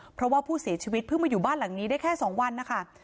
เพราะว่าผู้เสียชีวิตเพิ่งมาอยู่บ้านหลังนี้ได้แค่๒วันนะคะ